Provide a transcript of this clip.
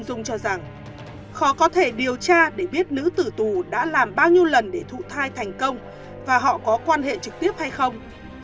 ông dung cho rằng khó có thể điều tra để biết nữ tử tù đã làm bao nhiêu lần để thụ thai thành công và họ có quan hệ trực tiếp hay không